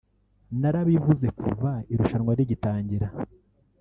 narabivuze kuva irushanwa rigitangira